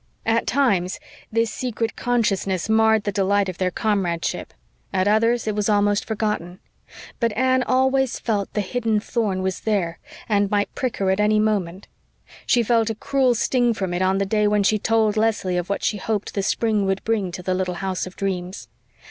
At times, this secret consciousness marred the delight of their comradeship; at others it was almost forgotten; but Anne always felt the hidden thorn was there, and might prick her at any moment. She felt a cruel sting from it on the day when she told Leslie of what she hoped the spring would bring to the little house of dreams.